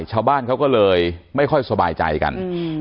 ชาวบ้านเขาก็เลยไม่ค่อยสบายใจกัน